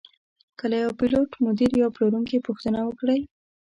که له یوه پیلوټ، مدیر یا پلورونکي پوښتنه وکړئ.